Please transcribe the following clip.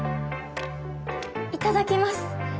いただきます。